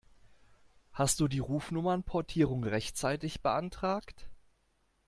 Hast du die Rufnummernportierung rechtzeitig beantragt?